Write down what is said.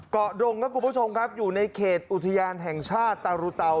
ดงครับคุณผู้ชมครับอยู่ในเขตอุทยานแห่งชาติตารุเตา